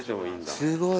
すごい。